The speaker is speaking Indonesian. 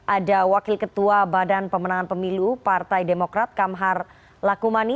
ada wakil ketua badan pemenangan pemilu partai demokrat kamhar lakumani